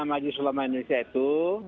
majelis ulama indonesia itu